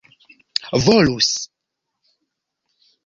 volus